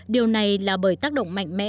điều này là bởi tác động mạnh mẽ